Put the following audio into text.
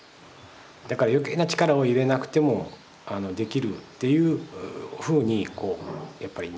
だから余計な力を入れなくてもできるというふうになっていくんですよね。